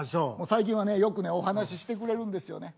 最近はねよくねお話ししてくれるんですよね。